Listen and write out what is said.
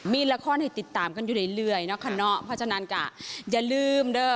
มีละครให้ติดตามกันอยู่เรื่อยเรื่อยเนาะค่ะเนาะเพราะฉะนั้นกะอย่าลืมเด้อ